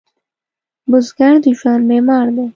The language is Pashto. بزګر د ژوند معمار دی